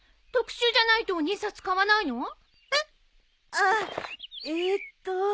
ああえーっと